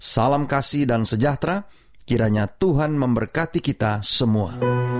salam kasih dan sejahtera kiranya tuhan memberkati kita semua